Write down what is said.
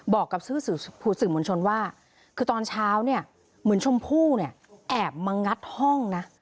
บอกกับสื่อมวลชนว่าคือตอนเช้าเนี่ยเหมือนชมพู่เนี่ยแอบมางัดห้องนะ